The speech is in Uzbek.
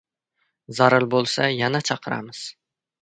Zaril bo‘lsa, yana chaqiramiz.